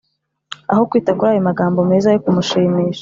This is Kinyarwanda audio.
Aho kwita kur’ayo magambo meza yo kumushimisha